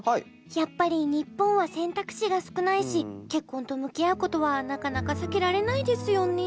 やっぱり日本は選択肢が少ないし結婚と向き合うことはなかなか避けられないですよね。